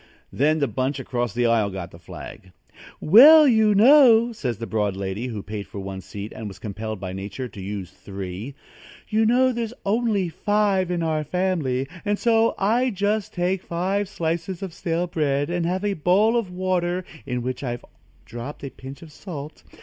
Then the bunch across the aisle got the flag. "Well, you know," says the broad lady who paid for one seat and was compelled by Nature to use three, "you know there's only five in our family, and so I take just five slices of stale bread and have a bowl of water ready in which I've dropped a pinch of salt.